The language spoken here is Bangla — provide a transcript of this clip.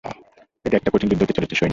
এটা একটা কঠিন যুদ্ধ হতে চলেছে, সৈনিক।